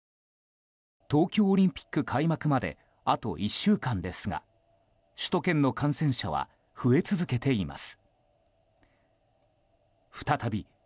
東京オリンピック開幕まであと１週間ですが首都圏の感染者は増え続けています。